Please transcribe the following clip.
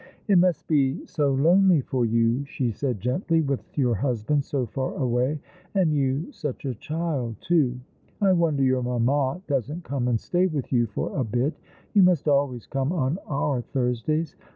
"It must be so lonely for you," she said gently, "with your husband so far away, and you such a child, too. I wonder your mamma doesn't come and stay with you for a bit. You must always come on our Thursdays.